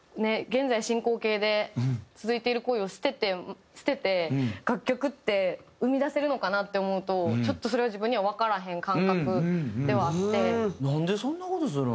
現在進行形で続いている恋を捨てて楽曲って生み出せるのかなって思うとちょっとそれは自分にはわからへん感覚ではあって。